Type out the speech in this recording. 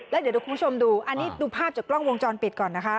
แล้วเดี๋ยวคุณผู้ชมดูอันนี้ดูภาพจากกล้องวงจรปิดก่อนนะคะ